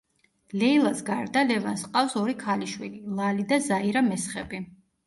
ლეილას გარდა, ლევანს ჰყავს ორი ქალიშვილი, ლალი და ზაირა მესხები.